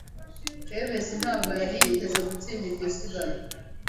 Jivency ntabwo yari yiteze gutsinda iryo siganwa.